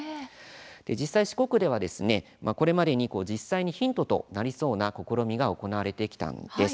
実際に四国では、これまでに実際にヒントとなりそうな試みが行われてきたんです。